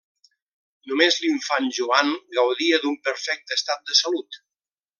Només l'infant Joan gaudia d'un perfecte estat de salut.